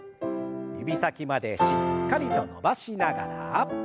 指先までしっかりと伸ばしながら。